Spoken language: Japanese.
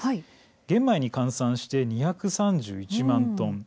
玄米に換算して２３１万トン。